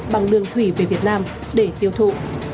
bằng đường thủy về việt nam để tiêu thụ